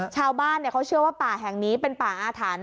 ชาวบ้านเขาเชื่อว่าป่าแห่งนี้เป็นป่าอาถรรพ์